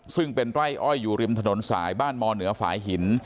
ซึ่งเป็นไร่อ้อยอยู่ริมถนนสายบ้านมเหนือฝ่ายหิน